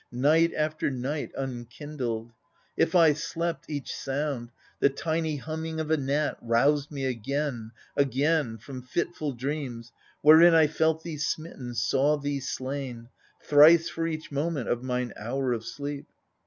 Night after night unkindled. If I slept. Each sound — the tiny humming of a gnat. Roused me again, again, from fitful dreams Wherein I felt thee smitten, saw thee slain. Thrice for each moment of mine hour of sleep.